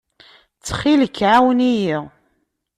Ttxil-k, ɛawen-iyi.